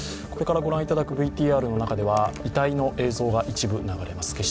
これから御覧いただくＶＴＲの中では遺体の映像が一部流れます。